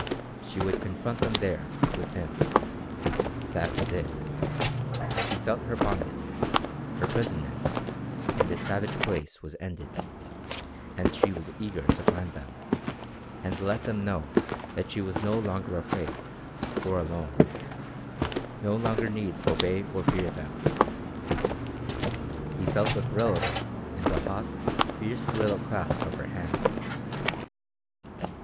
She would confront them there, with him. That was it. She felt her bondage her prisonment in this savage place was ended; and she was eager to find them, and let them know that she was no longer afraid, or alone no longer need obey or fear them. He felt the thrill of it in the hot, fierce little clasp of her hand.